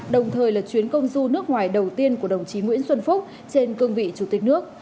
đồng thời là chuyến công du nước ngoài đầu tiên của đồng chí nguyễn xuân phúc trên cương vị chủ tịch nước